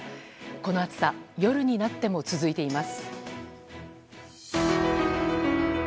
この暑さ、夜になっても続いています。